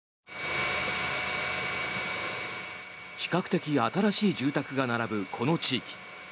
比較的新しい住宅が並ぶこの地域。